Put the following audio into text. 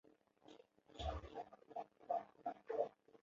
多变粗枝藓为灰藓科粗枝藓属下的一个种。